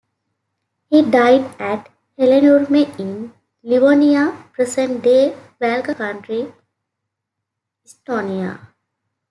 He died at Hellenurme in Livonia, present-day Valga County, Estonia.